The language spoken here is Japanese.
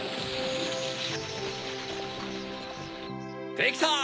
できた！